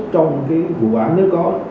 trong cái vụ án nếu có